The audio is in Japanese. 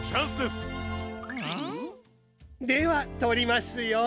ん？ではとりますよ。